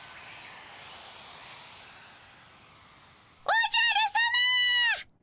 おじゃるさま！